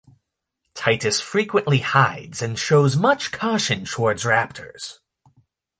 Titis frequently hides and shows much caution towards raptors.